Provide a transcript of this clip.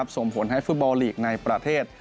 ส่งผลให้ฟุตบอลลีกในประเทศ